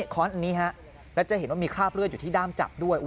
ค้อนอันนี้ฮะแล้วจะเห็นว่ามีคราบเลือดอยู่ที่ด้ามจับด้วย